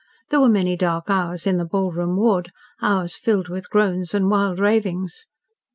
There were many dark hours in the ballroom ward, hours filled with groans and wild ravings.